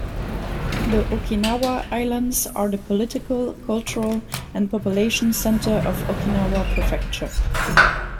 The Okinawa Islands are the political, cultural and population center of Okinawa Prefecture.